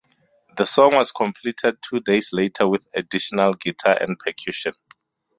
The song was completed two days later with additional guitar and percussion.